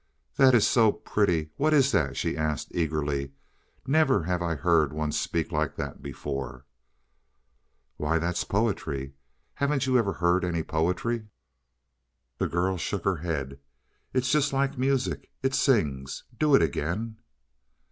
"That is so pretty what is that?" she asked eagerly. "Never have I heard one speak like that before." "Why, that's poetry; haven't you ever heard any poetry?" The girl shook her head. "It's just like music it sings. Do it again."